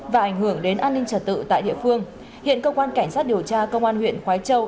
và ảnh hưởng đến an ninh trật tự tại địa phương hiện cơ quan cảnh sát điều tra công an huyện khói châu